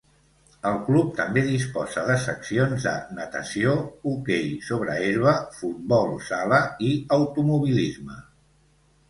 El club també disposa de seccions de Natació, Hoquei sobre herba, Futbol sala i Automobilisme.